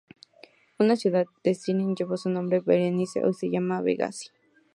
Una ciudad de Cirene llevó su nombre, Berenice; hoy se llama Bengasi.